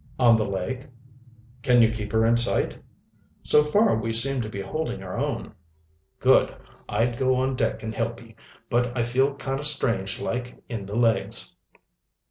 "On the lake." "Can you keep her in sight?" "So far we seem to be holding our own." "Good! I'd go on deck and help ye, but I feel kind o' strange like in the legs."